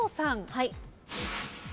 はい。